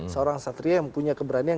seorang satria yang punya keberanian